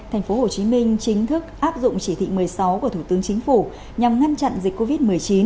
thành phố hồ chí minh chính thức áp dụng chỉ thị một mươi sáu của thủ tướng chính phủ nhằm ngăn chặn dịch covid một mươi chín